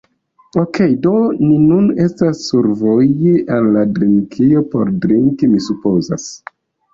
Okej, do ni nun estas survoje al la drinkejo por drinki, mi supozas.